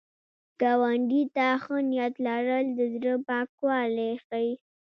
ګاونډي ته ښه نیت لرل، د زړه پاکوالی ښيي